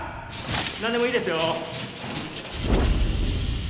なんでもいいですよ。